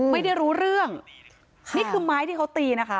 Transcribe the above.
ไม่ได้รู้เรื่องนี่คือไม้ที่เขาตีนะคะ